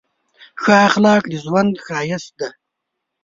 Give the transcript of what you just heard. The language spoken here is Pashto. ښه اخلاق د ژوند ښایست دی.